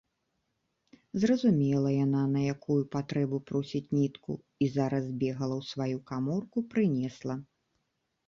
Зразумела яна, на якую патрэбу просіць нітку і зараз збегала ў сваю каморку, прынесла.